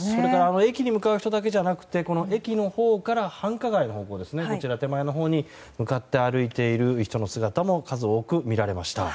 駅に向かう人だけじゃなく駅のほうから繁華街の方向、手前のほうに向かって歩いている人の姿も数多く見られました。